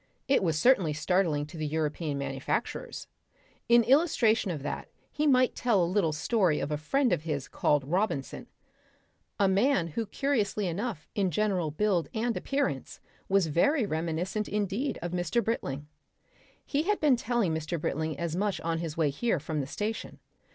It was certainly startling to the European manufacturers. In illustration of that he might tell a little story of a friend of his called Robinson a man who curiously enough in general build and appearance was very reminiscent indeed of Mr. Britling. He had been telling Mr. Britling as much on his way here from the station.